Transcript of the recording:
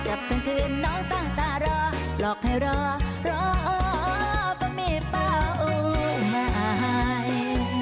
กับทั้งคืนน้องตั้งตารอหลอกให้รอรอก็มีเปล่าไม่